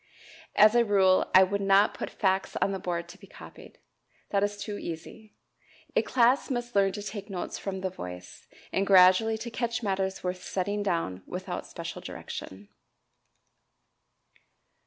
As a rule I would not put facts on the board to be copied. That is too easy. A class must learn to take notes from the voice, and gradually to catch matters worth setting down without special direction.